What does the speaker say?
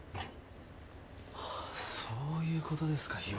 そういうことですか。